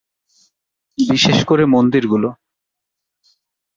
বিশেষ করে মন্দিরগুলো।